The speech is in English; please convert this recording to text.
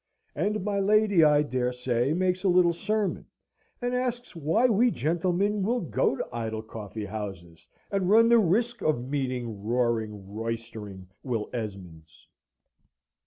And my lady, I dare say, makes a little sermon, and asks why we gentlemen will go to idle coffee houses and run the risk of meeting roaring, roystering Will Esmonds?